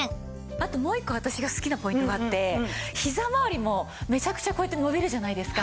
あともう一個私が好きなポイントがあって膝回りもめちゃくちゃこうやって伸びるじゃないですか。